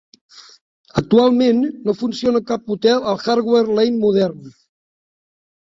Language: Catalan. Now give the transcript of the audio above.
Actualment, no funciona cap hotel al Hardware Lane modern.